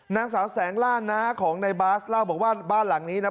นางสาวแสงล่าน้าของในบาสเล่าบอกว่าบ้านหลังนี้นะ